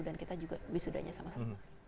dan kita juga wisudanya sama sama